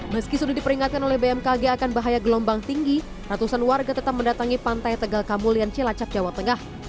meski sudah diperingatkan oleh bmkg akan bahaya gelombang tinggi ratusan warga tetap mendatangi pantai tegal kamulian cilacap jawa tengah